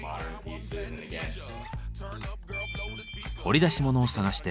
掘り出し物を探して。